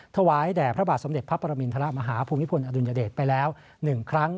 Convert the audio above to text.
ถวายแด่พระบาทสมเด็จพระปรมินทรมาฮาภูมิพลอดุลยเดชไปแล้ว๑ครั้ง